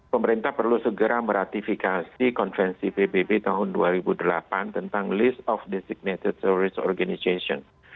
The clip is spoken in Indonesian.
pemerintah perlu segera meratifikasi konvensi pbb tahun dua ribu delapan tentang list of distigmated terroris organization